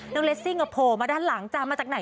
น้องเลสซิ่งกับโผ่มาด้านหลังจากไหน